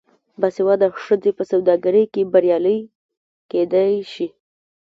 باسواده ښځې په سوداګرۍ کې بریالۍ کیدی شي.